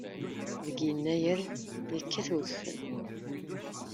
Deg yennayer yekkat udfel.